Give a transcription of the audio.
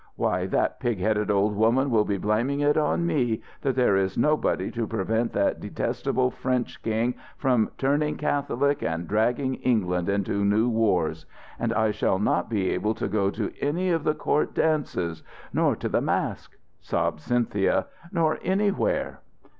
why, that pig headed old woman will be blaming it on me, that there is nobody to prevent that detestable French King from turning Catholic and dragging England into new wars, and I shall not be able to go to any of the court dances! nor to the masque!" sobbed Cynthia, "nor anywhere!"